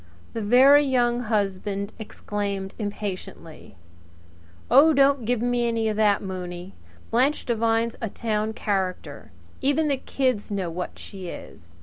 The Very Young Husband exclaimed impatiently: "Oh, don't give me any of that, Mooney! Blanche Devine's a town character. Even the kids know what she is.